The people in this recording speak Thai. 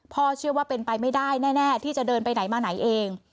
เชื่อว่าเป็นไปไม่ได้แน่ที่จะเดินไปไหนมาไหนเอง